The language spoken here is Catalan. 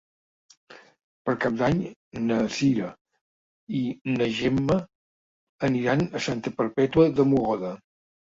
Per Cap d'Any na Cira i na Gemma aniran a Santa Perpètua de Mogoda.